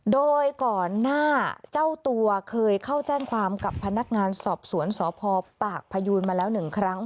โดยก่อนหน้าเจ้าตัวเคยเข้าแจ้งความกับพนักงานสอบสวนสพปากพยูนมาแล้ว๑ครั้ง